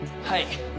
はい。